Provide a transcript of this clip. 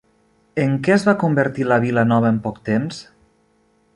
En què es va convertir la vila nova en poc temps?